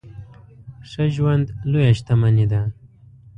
ښه ژوند لويه شتمني ده.